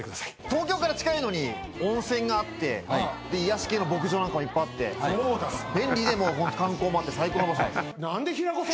東京から近いのに温泉があって癒やし系の牧場なんかもいっぱいあって便利で観光もあって最高の場所です。